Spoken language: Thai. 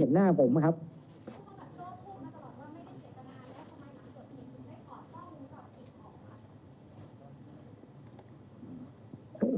เรามีการปิดบันทึกจับกลุ่มเขาหรือหลังเกิดเหตุแล้วเนี่ย